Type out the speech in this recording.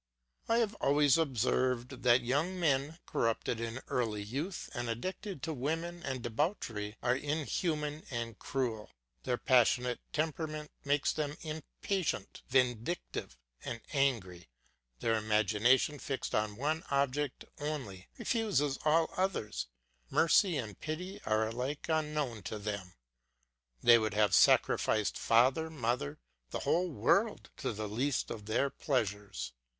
I have always observed that young men, corrupted in early youth and addicted to women and debauchery, are inhuman and cruel; their passionate temperament makes them impatient, vindictive, and angry; their imagination fixed on one object only, refuses all others; mercy and pity are alike unknown to them; they would have sacrificed father, mother, the whole world, to the least of their pleasures.